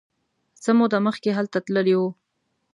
څه موده مخکې هلته تللی و.